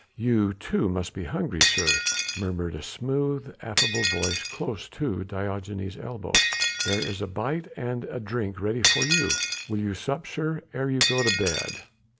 "You, too, must be hungry, sir," murmured a smooth affable voice close to Diogenes' elbow. "There is a bite and a drink ready for you; will you sup, sir, ere you go to bed?"